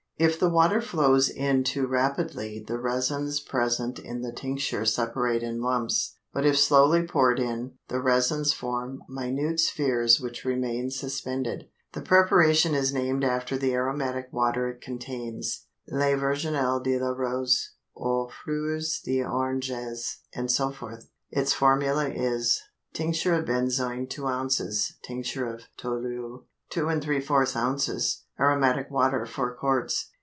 If the water flows in too rapidly, the resins present in the tincture separate in lumps; but if slowly poured in, the resins form minute spheres which remain suspended. The preparation is named after the aromatic water it contains: Lait virginal de la rose, à fleurs d'oranges, etc. Its formula is: Tincture of benzoin 2 oz. Tincture of tolu 2¾ oz. Aromatic water 4 qts.